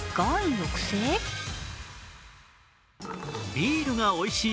ビールがおいしい